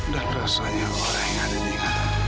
dan rasanya orang yang ada di dalam